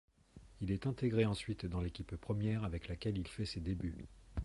Il y est intégré ensuite dans l'équipe première, avec laquelle il fait ses débuts.